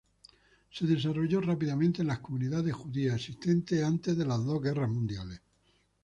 Se desarrolló rápidamente en las comunidades judías existentes antes de las dos guerras mundiales.